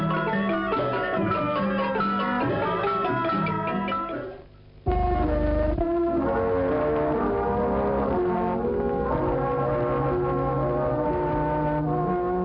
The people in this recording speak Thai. โปรดติดตามตอนต่อไป